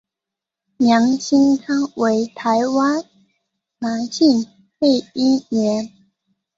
梁兴昌为台湾男性配音员。